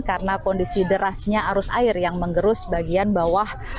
karena kondisi derasnya arus air yang mengerus bagian bawah